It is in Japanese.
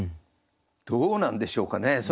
どうなんでしょうかね？